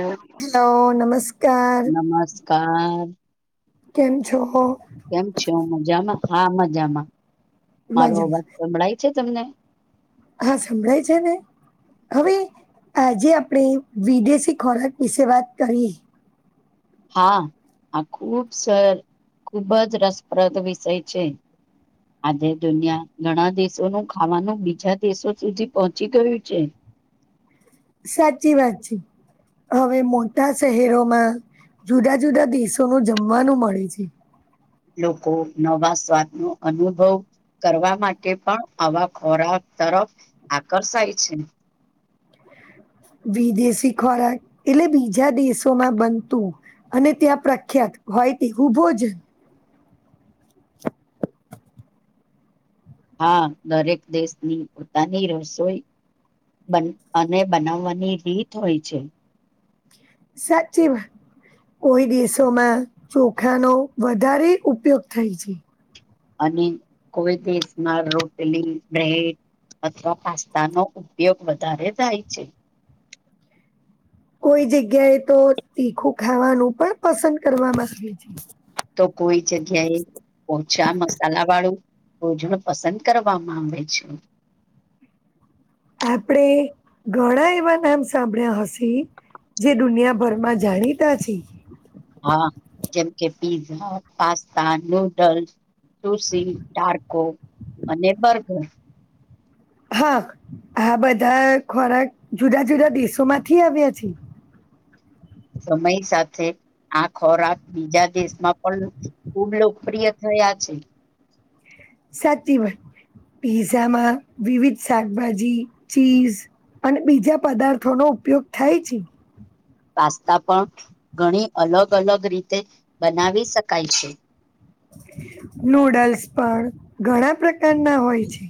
ઓ hello નમસ્કાર. નમસ્કાર કેમ છો? કેમ છો મજામાં હા મજામાં મારો મજામાં અવાજ સંભળાય છે, તમને? હા સંભળાય છે, ને હવે આજે આપણે વિદેશી ખોરાક વિશે વાત કરીએ. હા આ ખૂબ સ ખૂબજ રસપ્રદ વિષય છે. આજે દુનિયા ઘણા દેશોનું ખાવાનું બીજા દેશો સુધી પહોંચી ગયું છે. સાચી વાત છે, હવે મોટા શહેરોમાં જુદા જુદા દેશોનું જમવાનું મળે છે. લોકો નવા સ્વાદનો અનુભવ કરવા માટે પણ આવા ખોરાક તરફ આકર્ષાય છે. વિદેશી ખોરાક એટલે બીજા દેશોમાં બનતું અને ત્યાં પ્રખ્યાત હોય તેવુ ભોજન હા દરેક દેશની પોતાની રસોઈ બન અને બનાવવાની રીત હોય છે. સાચી વા કોઈ દેશોમાં ચોખાનો વધારે ઉપયોગ થાય છે. અને કોઈ દેશમાં રોટલી, બ્રેડ, અથવા પાસ્તા નો ઉપયોગ વધારે થાય છે કોઈ જગ્યાએ તો તીખું ખાવાનું પણ પસંદ કરવા માંગે છે તો કોઈ જગ્યાએ ઓછા મસાલા વાળું રોજણ પસંદ કરવામાં આવે છે આપણેે ઘણા એવા નામ સાંભળ્યા હશે જે દુનિયાભરમાં જાણીતા છે હા જેમ કે પીઝા પાસ્તા નૂડલ્ તસી ટારકો અને બર્ગર હા હા બધા ખોરાક જુદા જુદા દેશો માંથી આવ્યા છે સમય સાથે આ ખોરાક બીજા દેશમાં પણ ખુબ લોકપ્રિય થાય છે સાચી વાત પીઝામાં વિવિધ શાકભાજી, ચીઝ અને બીજા પદાર્થોનો ઉપયોગ થાય છે. પાસ્તા પણ ઘણી અલગ અલગ રીતે બનાવી શકાય છે. નૂડલ્સ પણ ઘણા પ્રકારના હોય છે.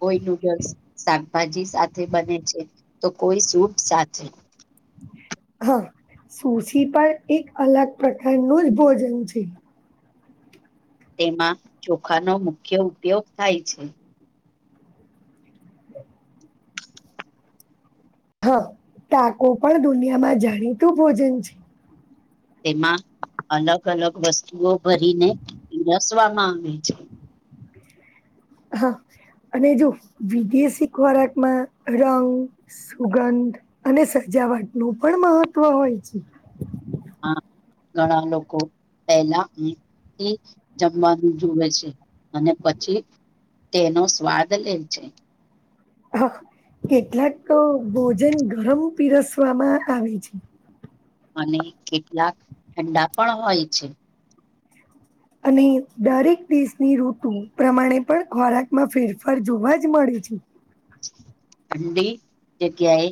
કોઈ નૂડલ્સ શાકભાજી સાથે બને છે, તો કોઈ સૂપ સાથે હ હા સુસી પણ એક અલગ પ્રકારનું જ ભોજન છે. તેમાં ચોખાનો મુખ્ય ઉપયોગ થાય છે. હા ટાકો પણ દુનિયામાં જાણીતું ભોજન છે તેમાં અલગ અલગ વસ્તુઓ ભરીને રસ વામાં આવે છે હા અને જો વિદેશી ખોરાકમાં રંગ સુગંધ અને સજાવટ નું પણ મહત્વ હોય છે આ ઘણા લોકો પહેલા હાથથી જમવાનું જુએ છે અને પછી તેનો સ્વાદ લેજે છે હા કેટલાક તો ભોજન ગરમ પીરસવામાં આવે છે અને કેટલાક ઠંડા પણ હોય છે અને દરેક દેશની ઋતુ પ્રમાણે પણ ખોરાકમાં ફેરફાર જોવા જ મળે જી ઠંડી જગ્યાએ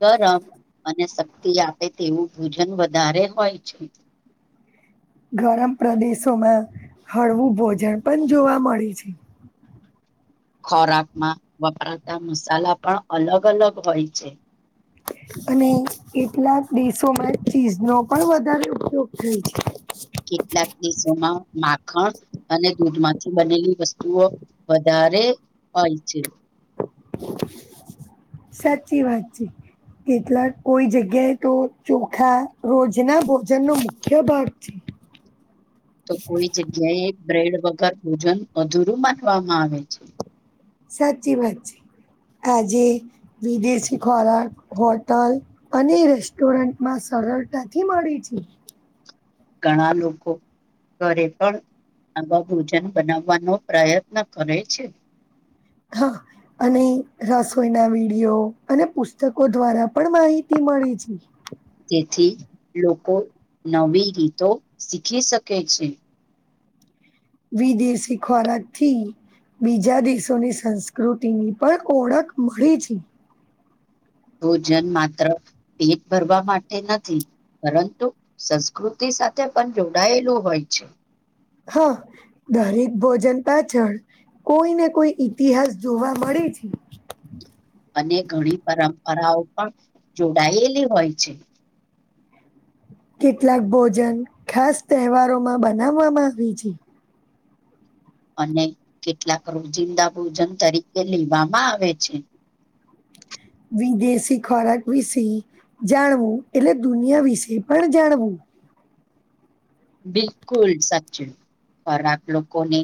ગરમ અને શક્તિ આપે તેવું ભોજન વધારે હોય છે ગરમ પ્રદેશોમાં હળવું ભોજન પણ જોવા મળે છે ખોરાકમાં વપરાતા મસાલા પણ અલગ અલગ હોય છે અને કેટલાક દેશોમાં ચીઝનો પણ વધારે ઉપયોગ થાય છે કેટલાક દેશોમાં માખણ અને દૂધ માંથી બનેલી વસ્તુ વસ્તુઓ વધારે હોય છે સાચી વાત છે કેટલાક કોઈ જગ્યાએ તો ચોખા રોજ ના ભોજન નો મુખ્ય ભાગ છે [unintelligible] તો કોઈ જગ્યાએ બ્રેડ વગર ભોજન અધૂરું માનવામાં આવે છે સાચી વાત છે આજે વિદેશી ખોરાક હોટલ અને રેસ્ટોરન્ટમાં સરળતાથી મળી છે ઘણા લોકો ઘરે પણ આવા ભોજન બનાવવાનો પ્રયત્ન કરે છે હા અને રસોઈના વિડીિયો અને પુસ્તકો દ્વારા પણ માહિતી મળી છે તેથી લોકો નવી ગીતો શીખી શકે છે વિદેશી ખોરાક થી બીજા દેશોની સંસ્કૃતિની પણ ઓળખ મળી છે. ભોજન માત્ર પેટ ભરવા માટે નથી પરંતુ સંસ્કૃતિ સાથે પણ જોડાયેલું હોય છે. હા દરેક ભોજન પાછળ કોઈને કોઈ ઈતિહાસ જોવા મળે [unintelligible] અને ઘણી પરંપરાઓ પણ જોડાયેલી હોય છે કેટલાક ભોજન ખાસ તહેવારોમાં બનાવવામાં આવે છે. અને કેટલાક રોજિંદા ભોજન તરીકે લેવામાં આવે છે. વિદેશી ખોરાક વિશે જાણવું એટલે દુનિયા વિશે પણ જાણવું બિલકુલ સાચું. ખોરાક લોકોને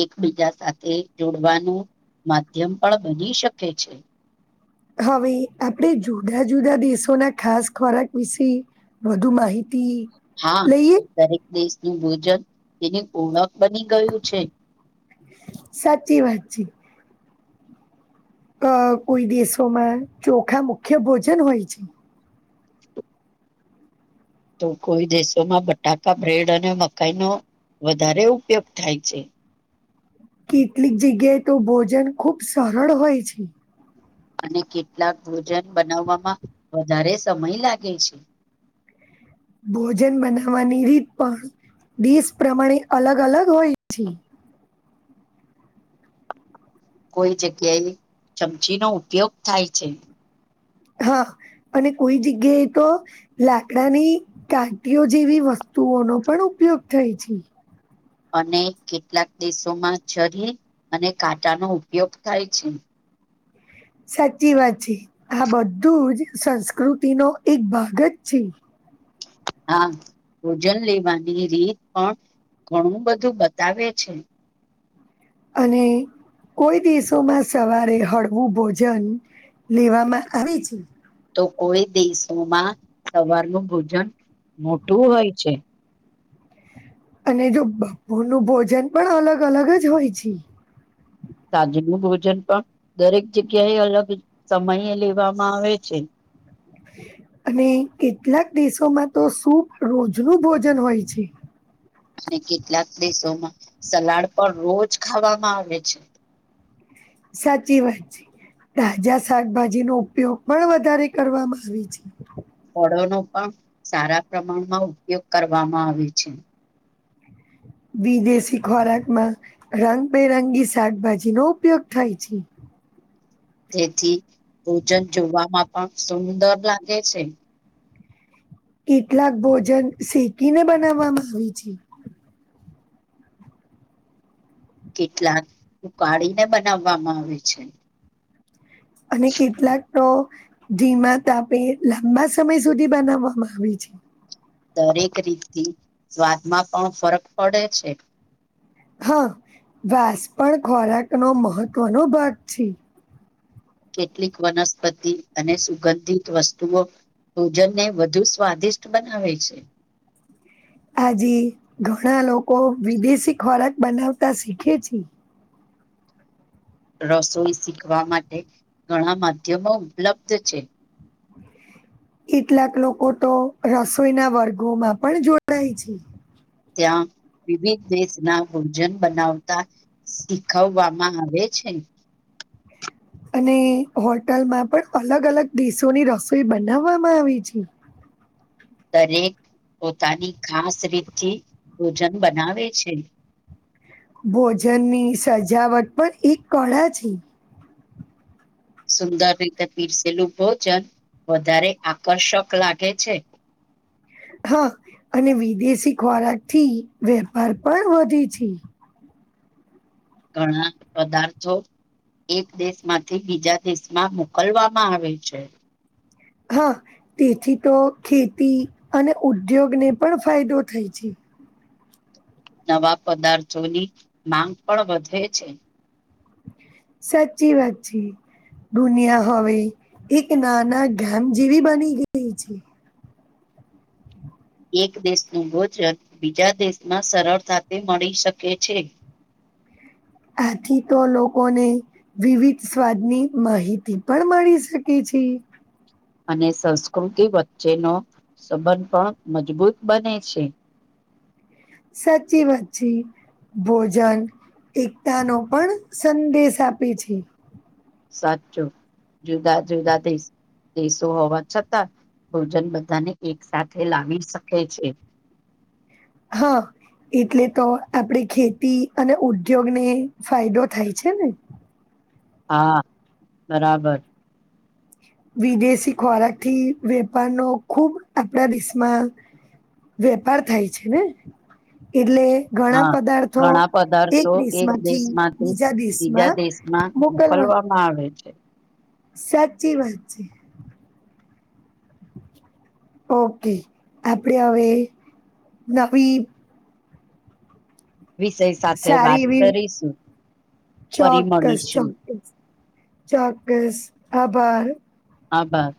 એકબીજા સાથે જોડવાનું માધ્યમ પણ બની શકે છે હવે આપણે જુદા જુદા દેશોના ખાસ ખોરાક વિશે વધુ માહિતી હા લઈએ દરેક દેશનું ભોજન તેની ઓણખ સાચી વાત છે અ કોઈ દેશોમાં ચોખા મુખ્ય ભોજન હોય છે તો કોઈ દેશોમાં બટાકા બ્રેડ અને મકાઈ ન વધારે ઉપયોગ થાય છે. કેટલીક જગ્યાએ તો ભોજન ખુબ સરળ હોય છે. અને કેટલાક ભોજન બનાવવામાં વધારે સમય લાગે છે. ભોજન બનાવવાની રીત પણ દેશ પ્રમાણે અલગ અલગ હોય છે. કોઈ જગ્યાએ ચમચીનો ઉપયોગ થાય છે. હા અને કોઈ જગ્યાએ તો લાકડાની ટાંટીઓ જેવી વસ્તુ વસ્તુઓનો પણ ઉપયોગ થાય છે. અને કેટલાક દેશોમાં છરી અને કાંટાનો ઉપયોગ થાય છે. સાચી વાત છે આ બધુંજ સંસ્કૃતિનોો એક ભાગ જ છે. હા ભોજન લેવાની રીત પણ ઘણું બધું બતાવે છે. અને કોઈ દેશોમાં સવારે હળવું ભોજન લેવામાં આવે છે. તો કોઈ દેશોમાં સવારનું ભોજન મોટું હોય છે. અને જો બપોરનું ભોજન પણ અલગ અલગ જ હોય છે સાજનું ભોજન પણ દરેક જગ્યાએ અલગ સમયે લેવામાં આવે છે. [inaudible] અને કેટલાક દેશોમાં તો સૂપ રોજનું ભોજન હોય છે. અને કેટલાક દેશોમાં સલાડ પણ રોજ ખાવામાં આવે છે. સાચી વાત છે. તાજા શાકભાજીનો ઉપયોગ પણ વધારે કરવામાં આવે છે. ફળોનો પણ સારા પ્રમાણમાં ઉપયોગ કરવામાં આવે છે. વિદેશી ખોરાકમાં રંગબેરંગી શાકભાજીનો ઉપયોગ થાય છે. [inaudible] તેથી ભોજન જોવામાં પણ સુંદર લાગે છે. કેટલાક ભોજન શેકીને બનાવવામાં આવે છે. કેટલાક ઉકાળીને બનાવવામાં આવે છે. અને કેટલાક તો ધીમા તાપે લાંબા સમય સુધી બનાવવામાં આવી છે. દરેક રીતથી સ્વાદમાં પણ ફરક પડે છે. હા વાસ પણ ખોરાકનો મહત્વનો ભાગ છે. કેટલીક વનસ્પતિ અને સુગંધિત વસ્તુઓ ભોજનને વધુ સ્વાદિષ્ટ બનાવે છે. [inaudible] આજે ઘણા લોકો વિદેશી ખોરાક બનાવતા શીખે છે. રસોઈ શીખવા માટે ઘણા માધ્યમો ઉપલબ્ધ છે. કેટલાક લોકો તો રસોઈના વર્ગોમાં પણ જોડાઈ છે. ત્યાં. વિવિધ દેશ ના ભોજન બનાવતા શીખવવામાં આવે છે. હ [inaudible] અને હોટલમાં પણ અલગ અલગ દેશોની રસોઈ બનાવવામાં આવે છે. [inaudible] દરેક પોતાની ખાસ રીતથી ભોજન બનાવે છે. ભોજનની સજાવટ પણ એક કળા છે. સુંદર રહીતે પીર સલ ભોજન વધારે આકર્ષક લાગે છે. હા અને વિદેશી ખોરાક થી વેપાર પણ વધે છે. ઘણા પદાર્થો એક દેશમાંથી બીજા દેશમાં મોકલવામાં આવે છે. હા તેથી તો ખેતી અને ઉદ્યોગને પણ ફાયદો થાય છે નવા પદાર્થોની માંગ પણ વધે છે. સાચી વાત છે. દુનિયા હવે એક નાના ગામ જેવી બની ગઈ છે. એક દેશનું ભોજન બીજા દેશમાં સરળતાથી મળી શકે છે. હમ [inaudible] આથી તો લોકોને વિવિધ સ્વાદની માહિતી પણ મળી શકે છે. ઠી [unintelligible] અને સંસ્કૃતિ વચ્ચેનો સંબંધ પણ મજબૂત બને છે. સાચીવાત છે ભોજન એકતા નો પણ સંદેશ આપે છે. સાચો જુદા જુદા દેશ દેશો હોવા છતાં ભોજન બધાને એક સાથે લાવી શકે છે. હા. એટલે તો આપડે ખેતી અને ઉદ્યોગને ફાયદો થાય છે ને. [inaudible] હા બરાબર. વિદેશી ખોરાકથી વેપારનો ખુબ આપણા દેશમાં. વેપાર થાય છે ને એટલે ઘણા હા પદાર્થો ઘણા એક પદાર્થો દેશ માં થી દેશમાંથી બીજા દેશ માં મોકલ વામાં આવે છે. સાચી વાત છે. ઓકે આપડે હવે નવી વિષય સાથે વાત સારી એવી કરીશું. ફરી ચોક્કસ મળીશું ચોક્કસ ચોક્કસ આભાર. આભર.